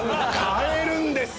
買えるんです！